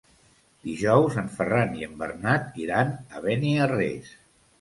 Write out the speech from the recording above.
Dijous en Ferran i en Bernat iran a Beniarrés.